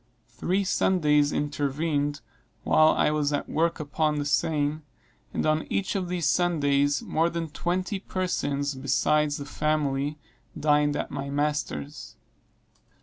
Three Sundays intervened while I was at work upon the seine, and on each of these Sundays more than twenty persons, besides the family, dined at my master's.